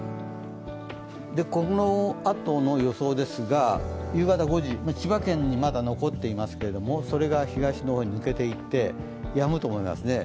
このあとの予想ですが夕方５時千葉県にまだ残っていますが、それが東の方に抜けていってやむと思います。